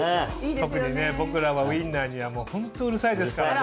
特に僕らはウインナーにはホントうるさいですからね。